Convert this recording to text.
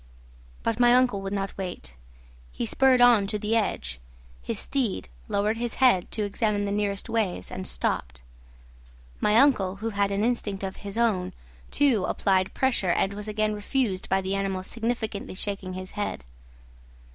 But my uncle would not wait. He spurred on to the edge. His steed lowered his head to examine the nearest waves and stopped. My uncle, who had an instinct of his own, too, applied pressure, and was again refused by the animal significantly shaking his head.